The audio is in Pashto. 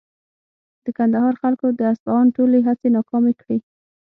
د کندهار خلکو د اصفهان ټولې هڅې ناکامې کړې.